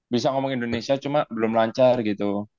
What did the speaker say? bisa ngomong indonesia cuma belum lancar gitu